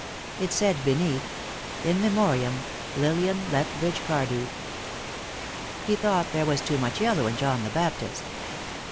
It said beneath: "In memoriam, Lilian Lethbridge Cardew." He thought there was too much yellow in John the Baptist.